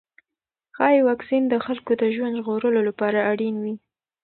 ښايي واکسین د خلکو د ژوند ژغورلو لپاره اړین وي.